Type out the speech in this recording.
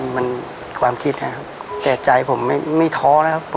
มันความคิดนะครับแต่ใจผมไม่ท้อนะครับ